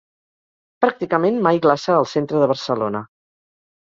Pràcticament mai glaça al centre de Barcelona.